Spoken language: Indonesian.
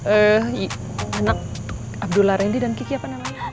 anak abdullah randy dan gigi apa namanya